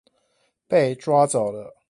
被抓走了